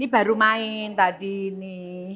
baru main tadi ini